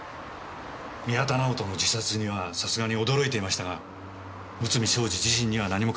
宮田直人の自殺にはさすがに驚いていましたが内海将司自身には何も変わったことはないそうです。